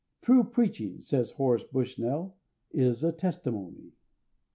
"True preaching," said Horace Bushnell, "is a testimony."